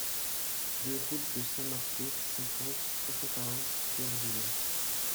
deux route de Saint-Marcouf, cinquante, trois cent quarante, Pierreville